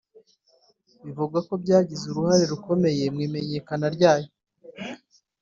bivugwa ko byagize uruhare rukomeye mu imenyekana ryayo